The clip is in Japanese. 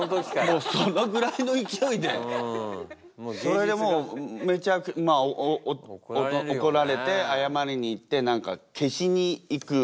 それでもうめちゃ怒られて謝りに行って何か消しに行く。